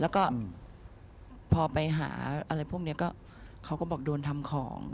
แล้วก็พอไปหาอะไรพวกนี้ก็เขาก็บอกโดนทำของ